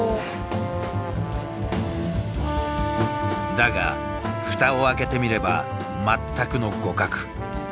だが蓋を開けてみれば全くの互角。